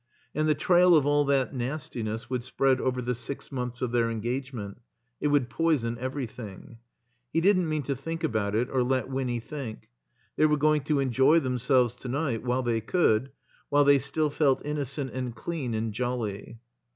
And the trail of all that nastiness would spread over the six months of their engagement; it would poison everything. He didn't mean to think about it or let Winny think. They were going to enjoy themselves to night while they could, while they stiU felt innocent and clean and jolly.